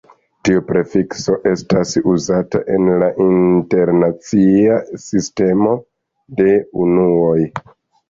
Tiu prefikso estas uzata en la internacia sistemo de unuoj.